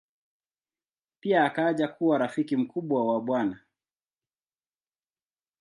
Pia akaja kuwa rafiki mkubwa wa Bw.